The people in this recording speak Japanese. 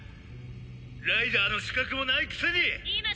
「ライダーの資格もないくせに」